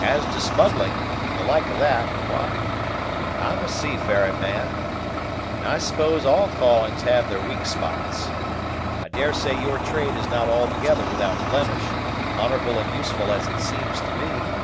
As to smuggling, and the like of that, why, I'm a seafaring man, and I suppose all callings have their weak spots. I daresay your trade is not altogether without blemish, honorable and useful as it seems to be?"